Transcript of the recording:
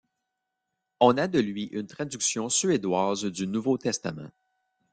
On a de lui une traduction suédoise du Nouveau Testament.